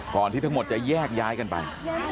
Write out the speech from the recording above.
ที่ทั้งหมดจะแยกย้ายกันไป